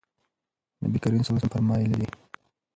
نبي کريم صلی الله عليه وسلم فرمايلي دي: